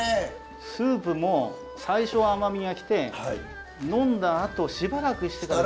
スープも最初は甘みがきて飲んだあとしばらくしてから。